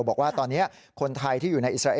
บอกว่าตอนนี้คนไทยที่อยู่ในอิสราเอล